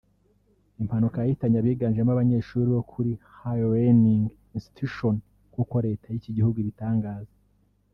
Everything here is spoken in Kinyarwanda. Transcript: Impanuka yahitanye abiganjemo abanyeshuri bo kuri Higher Learning Institutions nk’ uko Leta y’iki gihugu ibitangaza